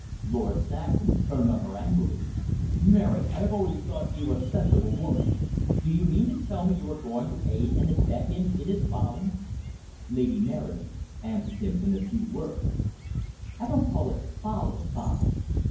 Lord Saxham turned on her angrily. "Mary, I have always thought you a sensible woman. Do you mean to tell me you are going to aid and abet him in his folly." Lady Mary answered him in a few words. "I don't call it folly, father."